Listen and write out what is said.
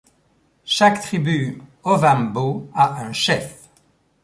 Chaque tribu Ovambo a un chef.